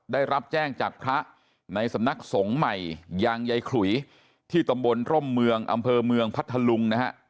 ได้รับแจ้งจากพระในสำนักสงฆ์ใหม่ยางใยขลุยที่ตำบลร่มเมืองอำเภอเมืองพัทธลุงนะฮะ